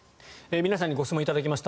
皆さんにご質問を頂きました。